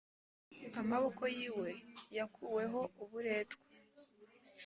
Amaboko yiwe yakuweho uburetwa